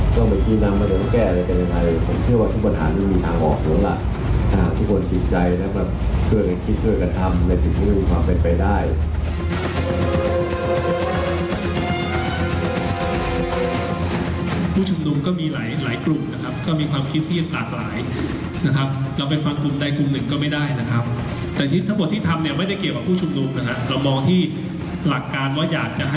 สนุนโดยทีโพเพี่ยวถูกอนามัยสะอาดใส่ไร้คราบ